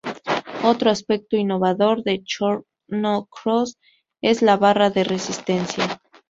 Otro aspecto innovador de "Chrono Cross" es la barra de resistencia.